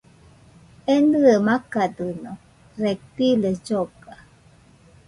Enɨe makadɨno, reptiles lloga